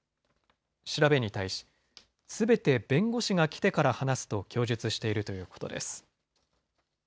調べに対しすべて弁護士が来てから話すと供述しているということです。